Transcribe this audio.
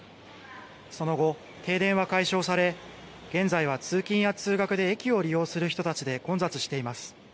その後、停電は解消され、現在は通勤や通学で駅を利用する人たちで混雑しています。